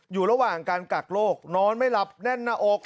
อยู่ระหว่างการกักโรคนอนไม่หลับแน่นหน้าอก